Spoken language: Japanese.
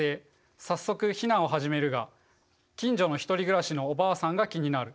早速避難を始めるが近所のひとり暮らしのおばあさんが気になる。